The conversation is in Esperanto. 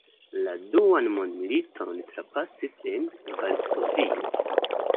La duan mondmiliton trapasis en Varsovio.